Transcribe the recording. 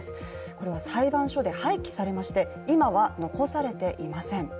これは裁判所で廃棄されまして、今は残されていません。